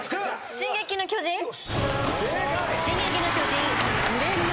『進撃の巨人』正解。